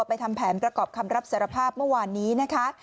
ทำแผนประกอบคำรับสารภาพเมื่อวานนี้นะคะ